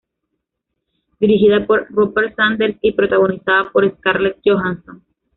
Dirigida por Rupert Sanders y protagonizada por Scarlett Johansson.